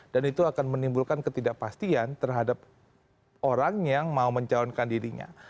dan itu akan menimbulkan ketidakpastian terhadap orang yang mau mencahunkan dirinya